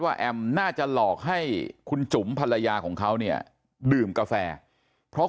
แอมน่าจะหลอกให้คุณจุ๋มภรรยาของเขาเนี่ยดื่มกาแฟเพราะ